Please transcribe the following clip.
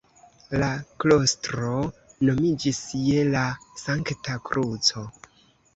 La klostro nomiĝis "Je la Sankta Kruco".